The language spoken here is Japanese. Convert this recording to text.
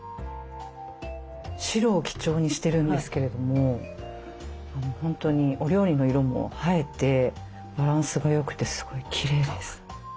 白を基調にしてるんですけれども本当にお料理の色も映えてバランスがよくてすごいきれいです。